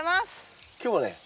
今日はね